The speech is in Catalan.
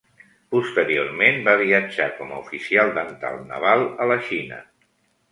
Posteriorment va viatjar com a oficial dental naval a la Xina.